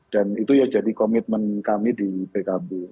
dan itu ya jadi komitmen kami di pkb